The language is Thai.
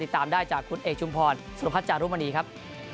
ตามได้จากคุณเอกชุมพรสุรพัฒนจารุมณีครับ